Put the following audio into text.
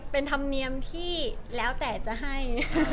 เป็นธรรมเนียมที่แล้วแต่จะให้